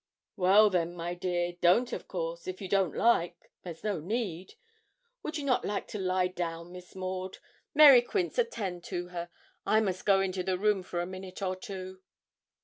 'Well, then, my dear, don't of course, if you don't like; there's no need. Would not you like to lie down, Miss Maud? Mary Quince, attend to her. I must go into the room for a minute or two.'